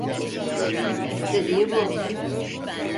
İstediği bu.